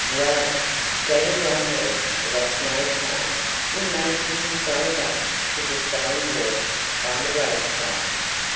Well, Daddy Longlegs lost no time in making his way back to the stone wall by the roadside.